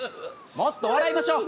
もっと笑いましょう！